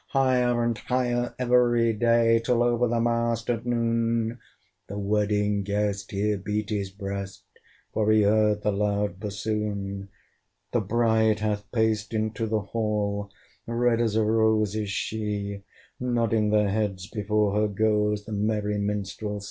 Higher and higher every day, Till over the mast at noon The Wedding Guest here beat his breast, For he heard the loud bassoon. The bride hath paced into the hall, Red as a rose is she; Nodding their heads before her goes The merry minstrelsy.